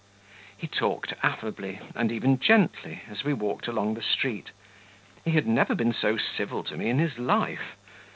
He talked affably, and even gently, as we went along the street; he had never been so civil to me in his life.